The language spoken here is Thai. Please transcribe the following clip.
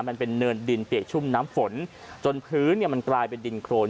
มันเป็นเนินดินเปียกชุ่มน้ำฝนจนพื้นเนี่ยมันกลายเป็นดินโครน